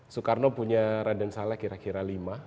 soekarno punya raden salah kira kira lima